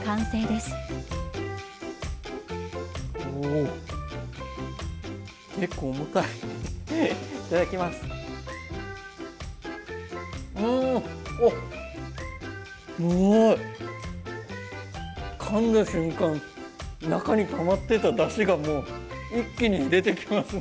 すごい！かんだ瞬間中にたまってただしがもう一気に出てきますね。